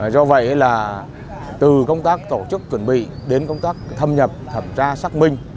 do vậy là từ công tác tổ chức chuẩn bị đến công tác thâm nhập thẩm tra xác minh